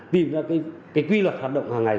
tìm ra cái quy luật hoạt động hàng ngày